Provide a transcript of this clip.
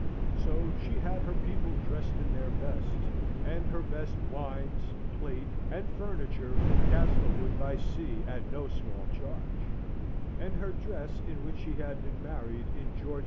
So she had her people dressed in their best, and her best wines, plate, and furniture from Castlewood by sea at no small charge, and her dress in which she had been married in George II.'